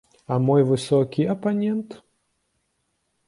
А мой высокі апанент?